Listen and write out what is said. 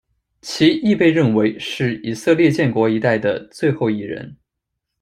其亦被认为是以色列建国一代的最后一人。